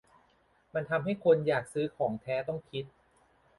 มันทำใหึ้คนอยากซื้อของแท้ต้องคิด